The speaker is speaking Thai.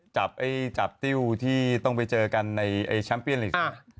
จับไอ้จับติ้วที่ต้องไปเจอกันในชัมเปียนลิสต์